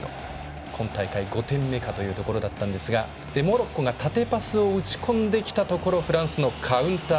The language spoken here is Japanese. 今大会、５点目かというところだったんですがモロッコが縦パスを打ち込んできたところフランスのカウンター。